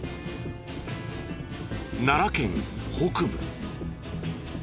奈良県北部。